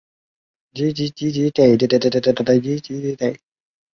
通假字使得文章很难读懂。